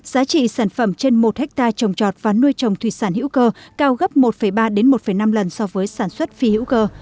giá trị sản phẩm trên một hectare trồng trọt và nuôi trồng thủy sản hữu cơ cao gấp một ba một năm lần so với sản xuất phi hữu cơ